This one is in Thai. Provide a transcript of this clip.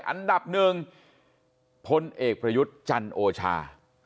อันดับหนึ่งพลเอกประยุทธ์จันโอชา